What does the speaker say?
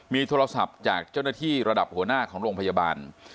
มีโทรศัพท์จากเจ้าหน้าที่ระดับหัวหน้าของโรงพยาบาล